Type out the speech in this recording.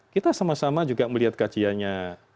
kita sama sama juga melihat kajiannya